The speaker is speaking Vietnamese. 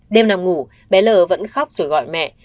đêm nằm ngủ bé l vẫn khóc rồi gọi mẹ